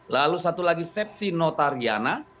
lalu satu lagi safety notariana